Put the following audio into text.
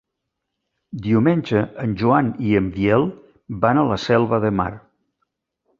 Diumenge en Joan i en Biel van a la Selva de Mar.